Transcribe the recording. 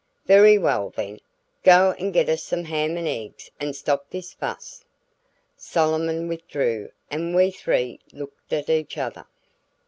"Very well, then! Go and get us some ham and eggs and stop this fuss." Solomon withdrew and we three looked at each other.